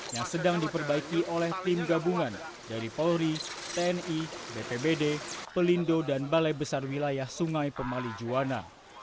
yang sedang diperbaiki oleh tim gabungan dari polri tni bpbd pelindo dan balai besar wilayah sungai pemali juwana